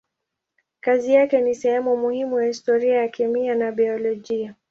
Kazi yake ni sehemu muhimu ya historia ya kemia na biolojia.